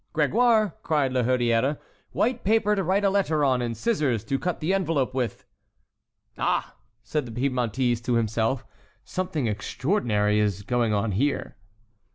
"Grégoire!" cried La Hurière, "white paper to write a letter on and scissors to cut the envelope with." "Ah!" said the Piedmontese to himself. "Something extraordinary is going on here!"